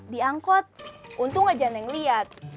di angkot untung aja enggak ngeliat